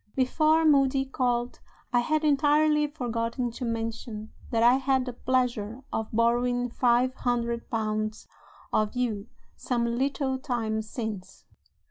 Before Moody called, I had entirely forgotten to mention that I had the pleasure of borrowing five hundred pounds of you some little time since.